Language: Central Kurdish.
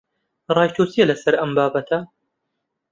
ڕای تۆ چییە لەسەر ئەم بابەتە؟